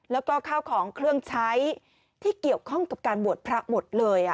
แล้วก็ข้าวของเครื่องใช้ที่เกี่ยวข้องกับการบวชพระหมดเลย